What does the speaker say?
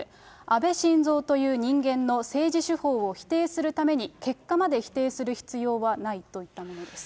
安倍晋三という人間の政治手法を否定するために、結果まで否定する必要はないといったものです。